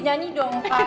nyanyi dong pak